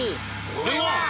これは！